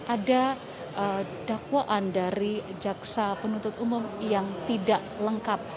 ada dakwaan dari jaksa penuntut umum yang tidak lengkap